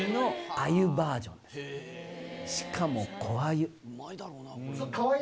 しかも。